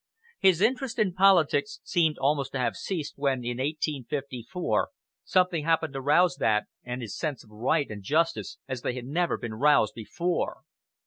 His interest in politics seemed almost to have ceased when, in 1854, something happened to rouse that and his sense of right and justice as they had never been roused before.